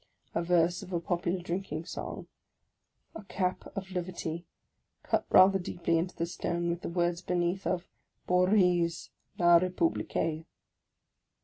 A verse of a popular drinking song. A Cap of Liberty, cut rather deeply into the stone, with the words beneath of " Bories, La Republique !